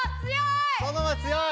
・ソノマ強い！